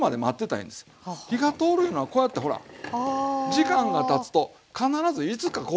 時間がたつと必ずいつかこうなりますから。